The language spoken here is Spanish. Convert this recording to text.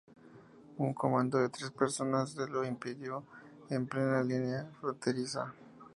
Un comando de tres personas se lo impidió en plena línea fronteriza.